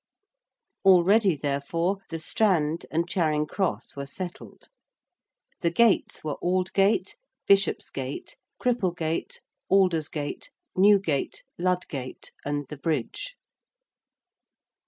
Already, therefore, the Strand and Charing Cross were settled. The gates were Aldgate, Bishopsgate, Cripplegate, Aldersgate, Newgate, Ludgate, and the Bridge.